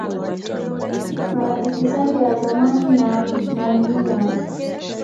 marafiki zake wa zamani na wa kutumainiwa